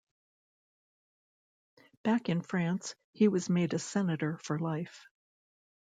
Back in France, he was made a senator for life.